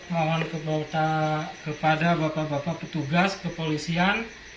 mohon kepada bapak bapak petugas kepolisian